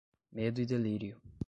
Medo e delírio